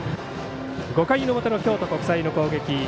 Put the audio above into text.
５回の表の京都国際の攻撃。